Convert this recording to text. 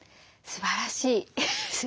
すばらしいです。